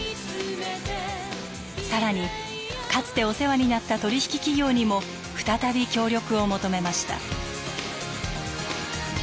更にかつてお世話になった取引企業にも再び協力を求めました。